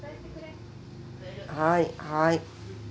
はいはい。